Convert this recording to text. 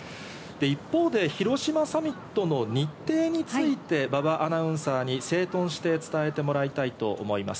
一方で広島サミットの日程について馬場アナウンサーに整頓して伝えてもらいたいと思います。